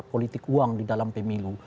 politik uang di dalam pemilu